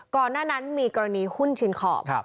ก่อนหน้านั้นมีกรณีหุ้นชินขอบ